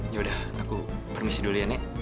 yaudah aku permisi dulu ya nek